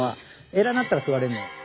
偉なったら座れんのよ。